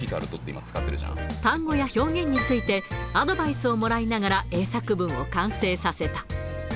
単語や表現について、アドバイスをもらいながら英作文を完成させた。